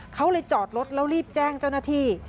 เขาเลยจอดรถแล้วรีบแจ้งเจ้าหน้าที่